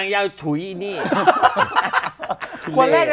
ใคร